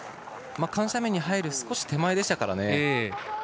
緩斜面に入る少し手前でしたからね。